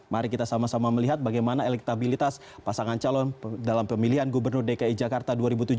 mari kita sama sama melihat bagaimana elektabilitas pasangan calon dalam pemilihan gubernur dki jakarta dua ribu tujuh belas